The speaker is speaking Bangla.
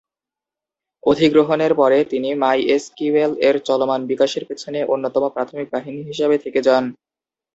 অধিগ্রহণের পরে, তিনি মাইএসকিউএল এর চলমান বিকাশের পিছনে অন্যতম প্রাথমিক বাহিনী হিসাবে থেকে যান।